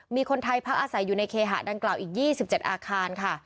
มีคนไทยพักอาศัยอยู่ในเคหะดังกล่าวอีก๒๗อาคารค่ะ